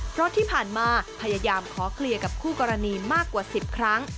เพราะที่ผ่านมาพยายามขอเคลียร์กับคู่กรณีมากกว่า๑๐ครั้ง